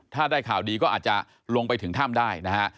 ถ้าได้ข่าวดีก็อาจจะลงไปถึงถ้ำได้นะฮะ